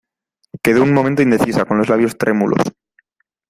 quedó un momento indecisa, con los labios trémulos.